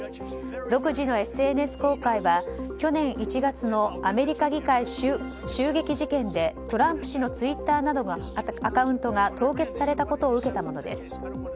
独自のＳＮＳ公開は去年１月のアメリカ議会襲撃事件でトランプ氏のツイッターなどのアカウントが凍結されたことを受けたものです。